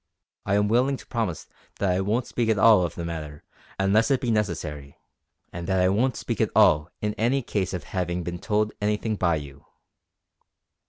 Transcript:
I am willing to promise that I won't speak at all of the matter unless it be necessary; and that I won't speak at all in any case of having been told anything by you."